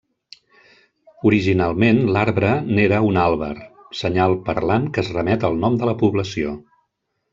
Originalment l'arbre n'era un àlber, senyal parlant que es remet al nom de la població.